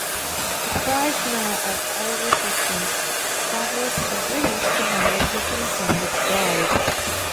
Deprived now of all resistance, Stavros agrees to marry his intended bride.